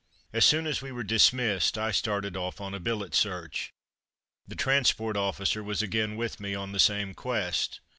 As soon as we were "dismissed," I started off on a billet search. The transport officer was again with me on the same quest.